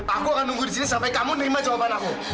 aku akan nunggu disini sampai kamu nerima jawaban aku